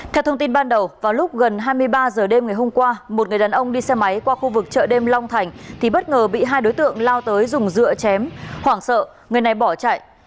theo thông tin ban đầu vào lúc gần hai mươi ba h đêm ngày hôm qua một người đàn ông đi xe máy qua khu vực chợ đêm long thành thì bất ngờ bị hai đối tượng lao tới dùng dựa chém khoảng sợ người này bỏ chạy